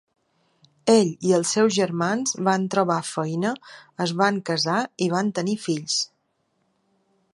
Ell i els seus germans van trobar feina, es van casar i van tenir fills.